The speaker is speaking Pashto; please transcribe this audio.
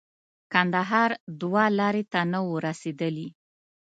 کندهار دوه لارې ته نه وو رسېدلي.